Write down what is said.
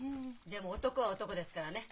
でも男は男ですからね。